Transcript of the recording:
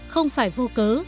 không phải vô cớ